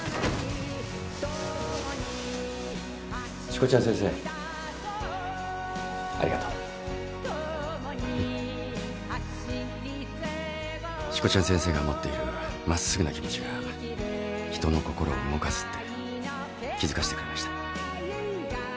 しこちゃん先生ありがとう。えっ？しこちゃん先生が持っている真っすぐな気持ちが人の心を動かすって気付かせてくれました。